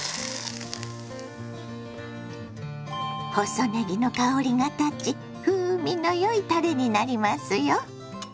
細ねぎの香りが立ち風味のよいたれになりますよ。